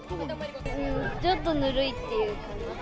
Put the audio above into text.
ちょっとぬるいっていうか。